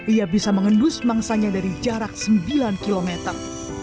ia bisa mengendus mangsanya dari jarak sembilan kilometer